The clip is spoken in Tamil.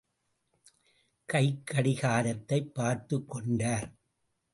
கைக்கடிகாரத்தை பார்த்துக் கொண்டார்.